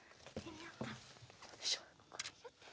よいしょ。